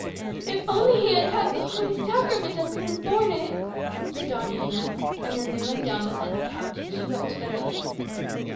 "If only he had had the Holy Sacrament, I could have borne it!" said Doña Inez; and then, kneeling down beside the couch, she wept bitterly.